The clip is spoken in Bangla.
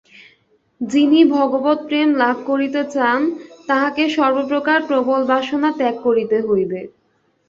যিনি ভগবৎপ্রেম লাভ করিতে চান, তাঁহাকে সর্বপ্রকার প্রবল বাসনা ত্যাগ করিতে হইবে।